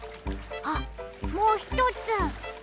あっもうひとつ！